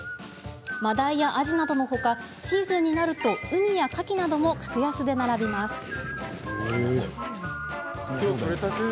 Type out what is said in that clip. マダイや、アジなどのほかシーズンになるとウニやカキなども格安で並びます。